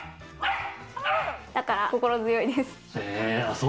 だから心強いです。